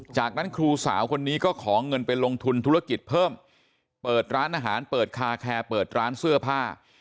จากนั้นครูสาวคนนี้ก็ขอเงินไปลงทุนธุรกิจเพิ่มเปิดร้านอาหารเปิดคาแคร์เปิดร้านเสื้อผ้า